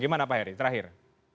gimana pak heri terakhir